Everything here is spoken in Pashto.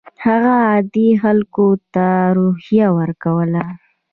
هغه عادي خلکو ته روحیه ورکوله.